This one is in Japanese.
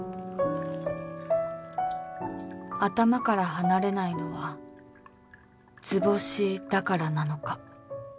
頭から離れないのは図星だからなのか？